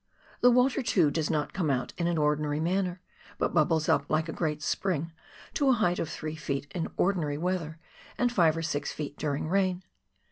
The water, too, does not come out in an ordinary manner, but bubbles up like a great spring to a height of three feet in ordinary weather, and five or six feet during rain.